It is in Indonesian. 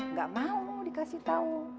nggak mau dikasih tahu